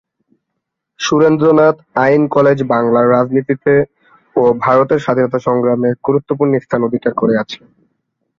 সুরেন্দ্রনাথ আইন কলেজ বাংলার রাজনীতিতে ও ভারতের স্বাধীনতা সংগ্রামে গুরুত্বপূর্ণ স্থান অধিকার করে আছে।